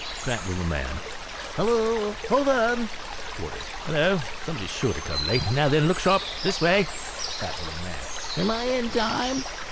DIALOGUE. Fat Little Man. "Hillo! hold on." Porter. " Hillo ! somebody's sure to come late ! Now, then, look sharp — this way." , Fat Little Man. " Am I in time